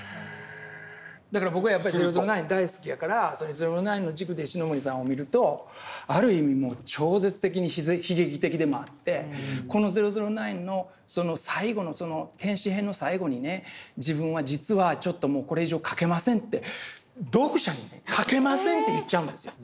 だから僕はやっぱり「００９」大好きやから「００９」の軸で石森さんを見るとある意味もう超絶的に悲劇的でもあってこの「００９」の最後の「天使編」の最後にね自分は実はちょっともうこれ以上描けませんって読者にね描けませんって言っちゃうんですよ。